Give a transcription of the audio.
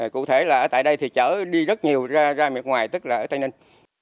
cụ thể là ở tại đây thì chở đi rất nhiều ra miệt ngoài tức là ở tây ninh